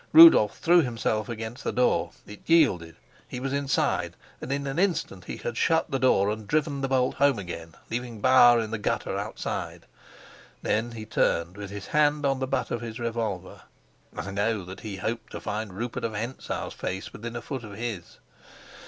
Rudolf threw himself against the door: it yielded, he was inside, and in an instant he had shut the door and driven the bolt home again, leaving Bauer in the gutter outside. Then he turned, with his hand on the butt of his revolver. I know that he hoped to find Rupert of Hentzau's face within a foot of his.